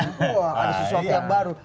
wah ada sesuatu yang baru